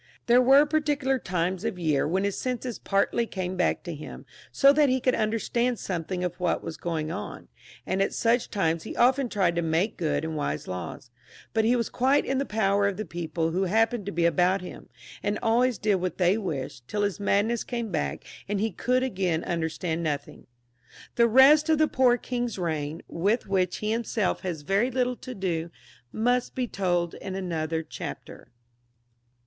There were particular times of year when his senses partly came back to him, so that he could understand something of what was going on ; and at such times he often tried to make good and wise laws ; but he was quite in the power of the people who happened to be about him, and always did what they wished, till his madness came back and he could again understand nothing. The rest of the poor king^s reign, with which he himself has very little to do, must be told in another chapter.